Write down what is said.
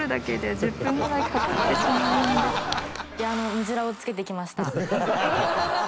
美豆良をつけてきました。